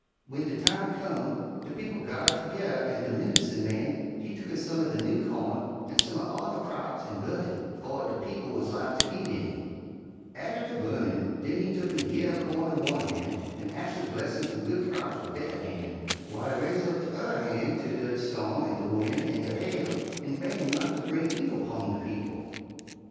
"W'en de time come, de people ga'rred toge'rr an' de medincin' man he tucken some er de new cawn an' some uv all de craps an' burnt hit, befo' de people wuz 'lowed ter eat any. Atter de burnin', den he tucken a year er cawn in one han' an' ax fer blessin's an' good craps wid dat han', w'ile he raise up tu'rr han' ter de storm an' de win' an' de hail an' baig 'em not ter bring evil 'pun de people.